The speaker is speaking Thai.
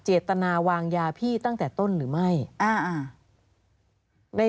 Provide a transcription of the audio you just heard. เจตนาวางยาพี่ตั้งแต่ต้นหรือไม่